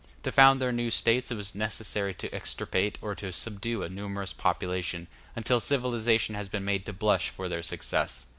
To found their new states it was necessary to extirpate or to subdue a numerous population, until civilization has been made to blush for their success.